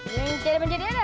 ini jadi menjadi ada